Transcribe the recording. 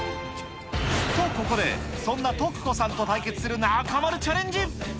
と、ここでそんなとく子さんと対決する中丸チャレンジ。